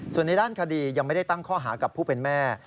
ส่วนในด้านคดียังไม่ได้ตั้งข้อหากับผู้เป็นแม่